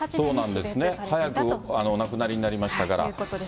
早くお亡くなりになられましたから。